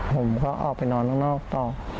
ผมก็ออกไปนอนตรงต่อ